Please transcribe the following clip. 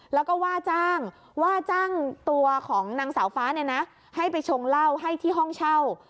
แล้วก็ว่าจ้างว่าจ้างตัวของนางสาวฟ้าเนี่ยนะให้ไปชงเหล้าให้ที่ห้องเช่า